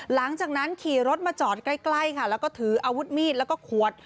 หลังจากนั้นขี่รถมาจอดใกล้ค่ะแล้วก็ถืออาวุธมีดแล้วก็ขวด